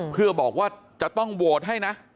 คือบอกว่าจะต้องโวทธ์ให้นะ